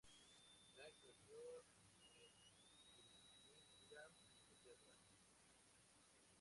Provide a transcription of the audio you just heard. Light nació en Birmingham, Inglaterra.